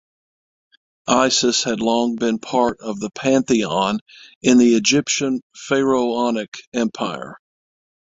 Isis had long been part of the pantheon in the Egyptian pharaonic empire.